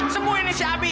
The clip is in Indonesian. sembuhin si abi